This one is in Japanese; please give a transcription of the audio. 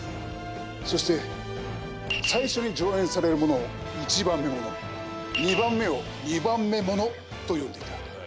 そして最初に上演されるものを１番目物２番目を２番目物と呼んでいた。